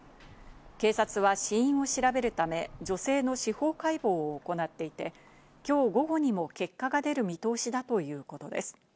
警察は死因を調べるため、女性の司法解剖を行っていて、きょう午後にも結果が出る見通しだということです。